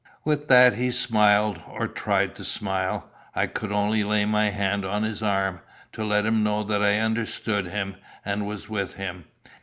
With that he smiled, or tried to smile. I could only lay my hand on his arm, to let him know that I understood him, and was with him.